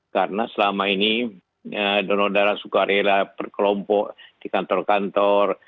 karena selama ini donor darah sukarela berkelompok di kantor kantor